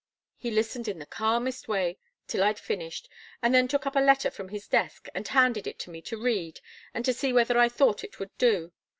He listened in the calmest way till I'd finished, and then took up a letter from his desk and handed it to me to read and to see whether I thought it would do.